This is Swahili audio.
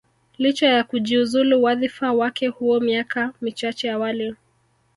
licha ya kujiuzulu wadhifa wake huo miaka michache awali